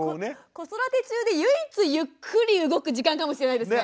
子育て中で唯一ゆっくり動く時間かもしれないですね。